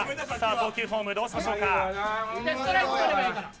投球フォームどうしましょうか。